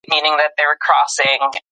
تعلیم لرونکې ښځې سالمې پرېکړې کوي.